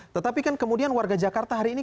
tetapi kan kemudian warga jakarta hari ini